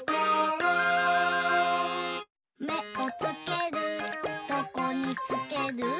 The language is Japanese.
「めをつけるどこにつける？」